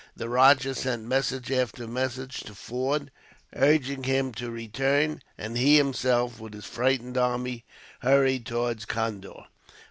The rajah sent messenger after messenger to Forde, urging him to return; and he himself, with his frightened army, hurried towards Condore.